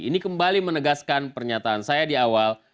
ini kembali menegaskan pernyataan saya di awal